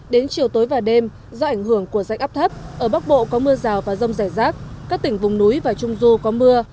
đến chiều tối và đêm do ảnh hưởng của rãnh áp thấp ở bắc bộ có mưa rào và rông rải rác các tỉnh vùng núi và trung du có mưa